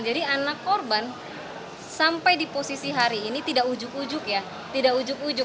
jadi anak korban sampai di posisi hari ini tidak ujuk ujuk ya tidak ujuk ujuk